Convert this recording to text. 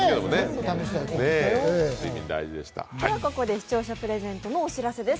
視聴者プレゼントのお知らせです。